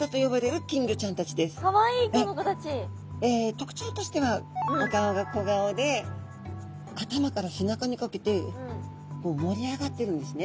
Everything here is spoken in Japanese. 特徴としてはお顔が小顔で頭から背中にかけて盛り上がってるんですね。